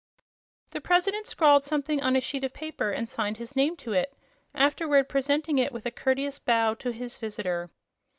The President scrawled something on a sheet of paper and signed his name to it, afterward presenting it, with a courteous bow, to his visitor.